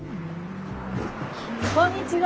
こんにちは。